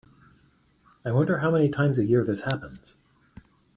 I wonder how many times a year this happens.